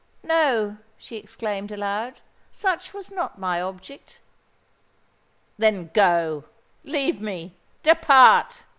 —No," she exclaimed aloud; "such was not my object." "Then, go—leave me—depart!"